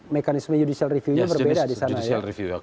mekanisme judicial review nya berbeda di sana